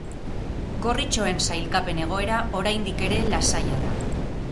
Gorritxoen sailkapen-egoera oraindik ere lasaia da.